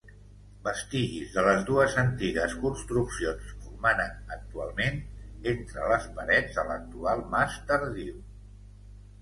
Vestigis de les dues antigues construccions romanen actualment entre les parets de l'actual Mas Tardiu.